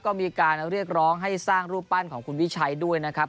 ก็มีการเรียกร้องให้สร้างรูปปั้นของคุณวิชัยด้วยนะครับ